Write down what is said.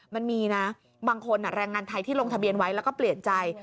มันมีนะบางคนแรงงานไทยที่ลงทะเบียนไว้แล้วก็เปลี่ยนใจ